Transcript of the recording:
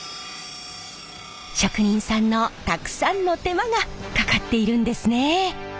職人さんのたくさんの手間がかかっているんですねえ。